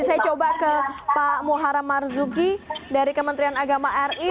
saya coba ke pak muharam marzuki dari kementerian agama ri